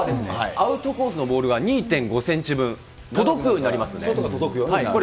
アウトコースのボールが２．５センチ分届くようになりますよね。